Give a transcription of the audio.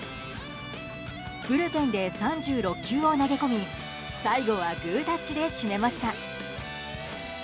ブルペンで３６球を投げ込み最後はグータッチで締めました。